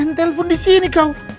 jangan telfon di sini kau